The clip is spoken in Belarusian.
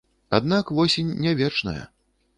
Аднак восень не вечная.